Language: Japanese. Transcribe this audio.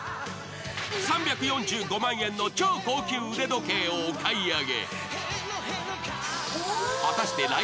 ３４５万円の超高級腕時計をお買い上げ。